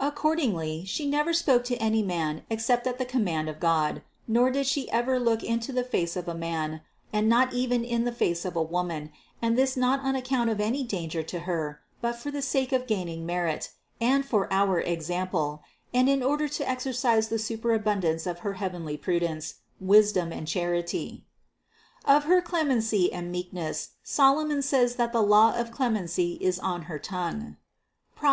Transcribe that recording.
Accordingly She never spoke to any man except at the command of God ; nor did She ever look into the face of a man, and not even in the face of a woman ; and this not on account of any danger to Her, but for the sake of gaining merit, and for our example, and in order to exer cise the superabundance of her heavenly prudence, wis dom and charity. 590. Of her clemency and meekness Solomon says that the law of clemency is on her tongue (Prov.